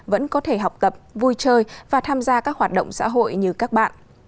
vẫn có thể học tập vui chơi và tham gia các hoạt động xã hội như các bạn